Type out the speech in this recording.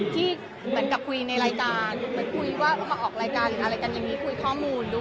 ที่เหมือนกับคุยในรายการเหมือนคุยว่ามาออกรายการหรืออะไรกันอย่างนี้คุยข้อมูลดู